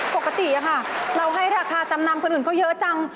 ปกติค่ะเราให้ราคาจำนำคนอื่นเขาเยอะจัง